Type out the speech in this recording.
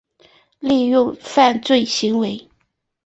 利用犯罪行为